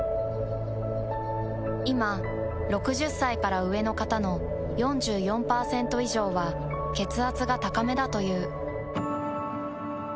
いま６０歳から上の方の４４％以上は血圧が高めだという。